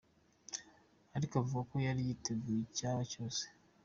Ariko avuga ko yari yiteguye icyaba cyose.